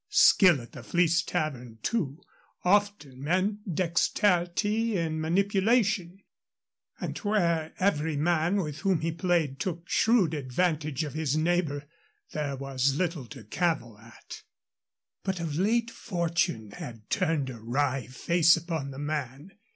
Skill at the Fleece Tavern, too, often meant dexterity in manipulation; and where every man with whom he played took shrewd advantage of his neighbor there was little to cavil at. But of late fortune had turned a wry face upon the man.